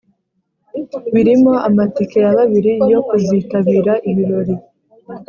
birimo amatike ya babiri yo kuzitabira ibirori